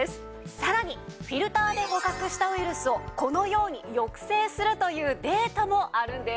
さらにフィルターで捕獲したウイルスをこのように抑制するというデータもあるんです。